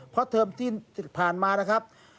เพราะเทอมที่ผ่านมานะครับ